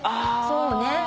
そうね。